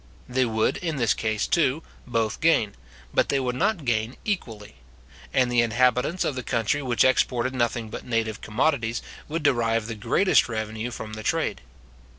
They would, in this case too, both gain, but they would not gain equally; and the inhabitants of the country which exported nothing but native commodities, would derive the greatest revenue from the trade.